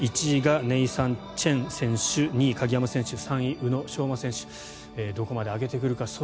１位がネイサン・チェン選手２位が鍵山選手３位が宇野昌磨選手どこまで上げてくるか。